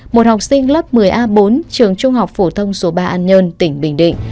một học sinh lớp một mươi a bốn trường trung học phổ thông số ba an nhơn tỉnh bình định